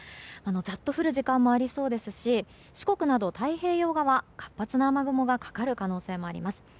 ザッと降る時間もありそうですし四国など太平洋側、活発な雨雲がかかる可能性もあります。